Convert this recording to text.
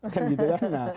kan gitu kan